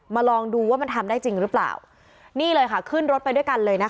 ลองดูว่ามันทำได้จริงหรือเปล่านี่เลยค่ะขึ้นรถไปด้วยกันเลยนะคะ